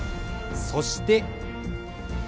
そして。